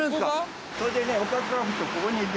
それでね。